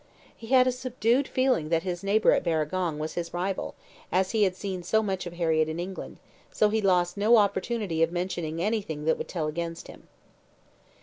He had a subdued feeling that his neighbour at Barragong was his rival, as he had seen so much of Harriett in England, so he lost no opportunity of mentioning anything that would tell against him.